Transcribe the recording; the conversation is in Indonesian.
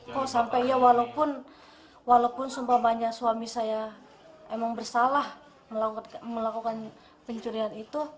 kok sampai ya walaupun sumpah banyak suami saya emang bersalah melakukan pencurian itu